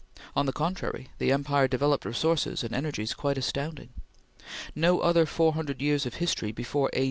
On the contrary, the empire developed resources and energies quite astounding. No other four hundred years of history before A.